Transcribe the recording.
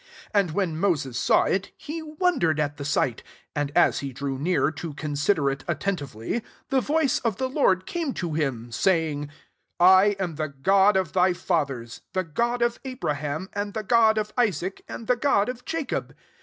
St And when Moses saw U^ he wondered at the sight : and* as he drew near, to consider it attentively, the voice of the Lord came [to him\ 3£ sayings <I am the God of thy fathers^ the God of Abraham, and tbe God of Isaac, and the GkMl of Jacob.'